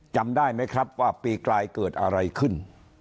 จำได้ไหมครับว่าปีกลายเกิดอะไรขึ้น